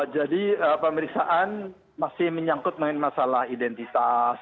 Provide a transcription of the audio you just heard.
jadi pemeriksaan masih menyangkut mengenai masalah identitas